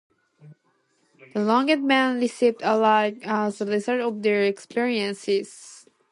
The Ilongot men received acclaim as a result of their experiences.